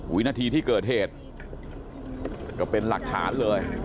วินาทีที่เกิดเหตุก็เป็นหลักฐานเลย